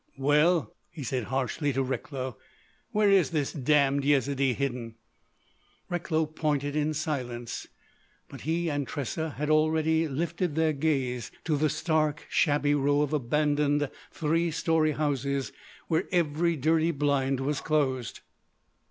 "Well," he said harshly to Recklow, "where is this damned Yezidee hidden?" Recklow pointed in silence, but he and Tressa had already lifted their gaze to the stark, shabby row of abandoned three story houses where every dirty blind was closed.